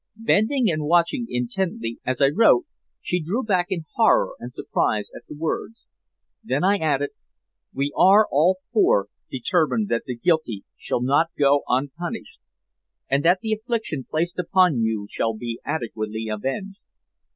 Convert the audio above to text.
Bending and watching intently as I wrote, she drew back in horror and surprise at the words. Then I added: "We are all four determined that the guilty shall not go unpunished, and that the affliction placed upon you shall be adequately avenged.